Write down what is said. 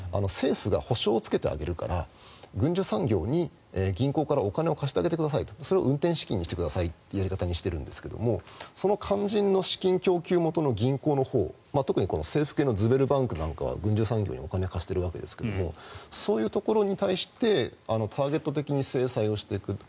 政府が保証をつけてあげるから軍需産業に銀行からお金を貸してあげてくださいとそれを運転資金にしてくださいというやり方にしているんですがその肝心の資金供給元の銀行特にこの政府系のズベルバンクなんかは軍需産業にお金を貸しているわけですがそういうところに対してターゲット的に制裁をしていく。